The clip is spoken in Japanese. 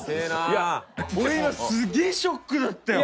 俺、今すげえショックだったよ。